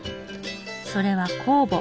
それは酵母。